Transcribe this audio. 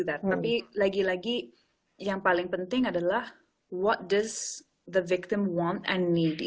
tapi lagi lagi yang paling penting adalah apa yang pengaruh dan butuh